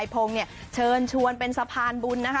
อัมพัยพงศ์เนี่ยเชิญชวนเป็นสภานบุญนะคะ